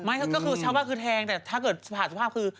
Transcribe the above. ไม่ก็คือชาวบ้านคือแทงแต่ถ้าเกิดผ่านสภาพคือ